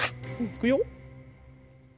いくよ。